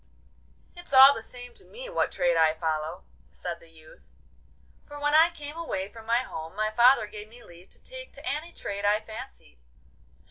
'It's all the same to me what trade I follow,' said the youth, 'for when I came away from home my father gave me leave to take to any trade I fancied.